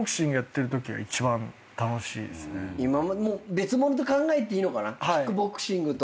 別ものと考えていいのかなキックボクシングと。